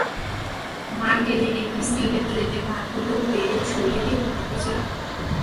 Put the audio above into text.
মাড় গেলে একটি স্টিলের ট্রেতে ভাতগুলো বেড়ে ছড়িয়ে দিয়ে ফ্যানের নিচে রাখুন।